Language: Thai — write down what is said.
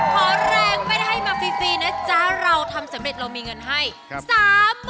ขอแรงไม่ได้ให้มาฟรีนะจ๊ะเราทำสำเร็จเรามีเงินให้๓๐๐๐